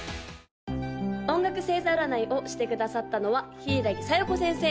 ・音楽星座占いをしてくださったのは柊小夜子先生！